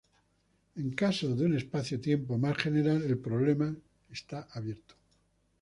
En caso de un espacio-tiempo más general, el problema está abierto.